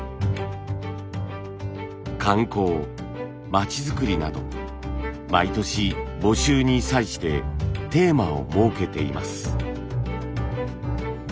「観光」「まちづくり」など毎年募集に際してテーマを設けています。